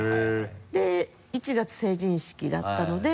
で１月成人式だったので。